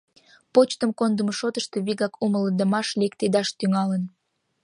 Почтым кондымо шотышто вигак умылыдымаш лектедаш тӱҥалын.